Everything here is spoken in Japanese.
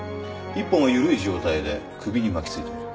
１本は緩い状態で首に巻きついている。